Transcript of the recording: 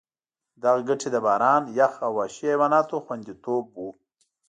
دغه ګټې له باران، یخ او وحشي حیواناتو خوندیتوب وو.